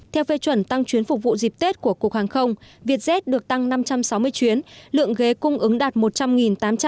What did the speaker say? theo phê chuẩn tăng chuyến phục vụ dịp tết của cục hàng không việt jet được tăng năm trăm sáu mươi chuyến lượng ghế cung ứng đạt một trăm linh tám trăm linh tăng tám chín